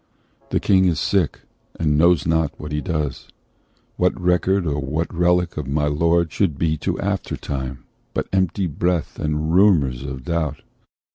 The king is sick, and knows not what he does. What record, or what relic of my lord Should be to aftertime, but empty breath And rumours of a doubt?